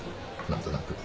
何となく。